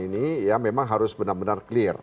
ini ya memang harus benar benar clear